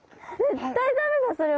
絶対駄目だそれは！